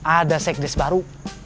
ada sekdes baru